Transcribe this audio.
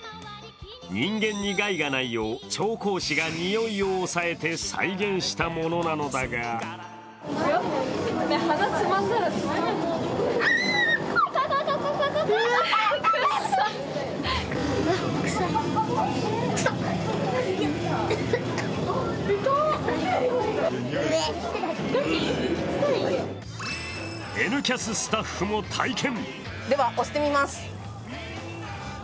人間に害がないよう、調香師が臭いを抑えて再現したものだが「Ｎキャス」スタッフも体験！